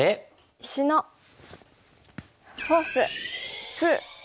「石のフォース２」。